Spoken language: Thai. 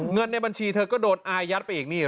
เงินในบัญชีเธอก็โดนอายัดไปอีกนี่